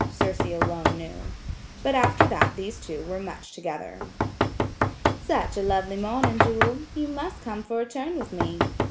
CIRCE alone knew. But after that these two were much together. "Such a lovely morning, Jewel! You must come for a turn with me."